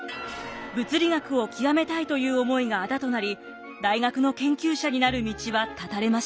物理学を究めたいという思いがあだとなり大学の研究者になる道は断たれました。